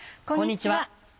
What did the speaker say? こんにちは。